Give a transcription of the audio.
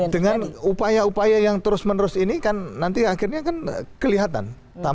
dengan upaya upaya yang terus menerus ini kan nanti akhirnya kan kelihatan